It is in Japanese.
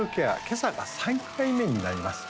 今朝が３回目になります